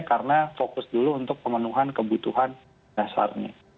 karena fokus dulu untuk pemenuhan kebutuhan dasarnya